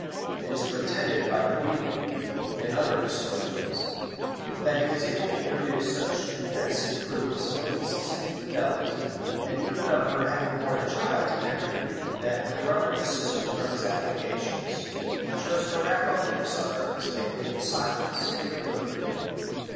It is pretended by Hoveden and other historians,[] that he was able to produce such convincing proofs of Alice's infidelity, and even of her having borne a child to Henry, that her brother desisted from his applications, and chose to wrap up the dishonor of his family in silence and oblivion.